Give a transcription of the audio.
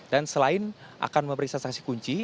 dan selain akan memeriksa saksi kunci